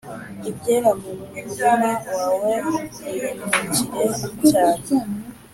ibyera mu murima wawe birumbukire cyane